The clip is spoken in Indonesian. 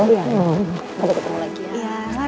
kita ketemu lagi ya